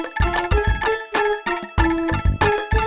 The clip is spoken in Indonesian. yang pasti mah bukan jadi direktur